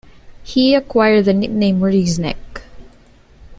He acquired the nickname "Murzynek".